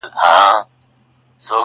چي ته څوک یې ته پر کوم لوري روان یې.!